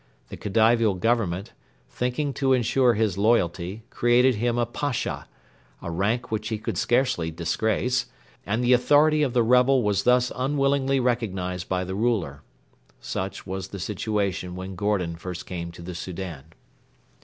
The Khedivial Government, thinking to ensure his loyalty, created him a Pasha a rank which he could scarcely disgrace; and the authority of the rebel was thus unwillingly recognised by the ruler. Such was the situation when Gordon first came to the Soudan.